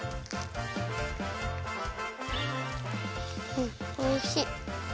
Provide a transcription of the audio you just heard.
うんおいしい。